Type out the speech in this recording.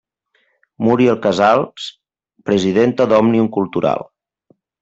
Muriel Casals, presidenta d'Òmnium Cultural.